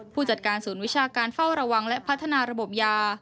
ผู้จัดการศูนย์วิชาการเฝ้าระวังและพัฒนาระบบยา